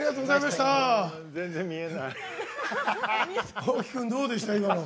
大木君、どうでした？